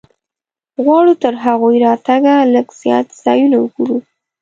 غواړو تر هغوی راتګه لږ زیات ځایونه وګورو.